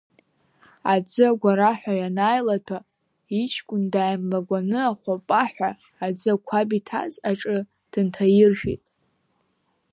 Аӡы агәараҳәа ианааилаҭәа иҷкәын дааимлагәаны ахәапаҳәа аӡы ақәаб иҭаз аҿы дынҭаиршәит.